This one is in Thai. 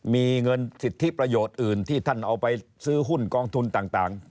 มีเงินสิทธิประโยชน์อื่นที่ท่านเอาไปซื้อหุ้นกองทุนต่าง